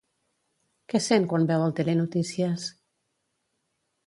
Què sent quan veu el telenotícies?